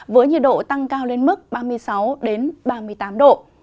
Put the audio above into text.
với nhiệt độ tăng cao lên mức ba mươi sáu ba mươi tám độ